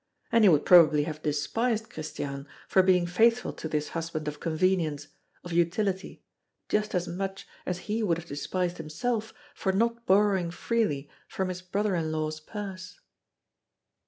and he would probably have despised Christiane for being faithful to this husband of convenience, of utility, just as much as he would have despised himself for not borrowing freely from his brother in law's purse.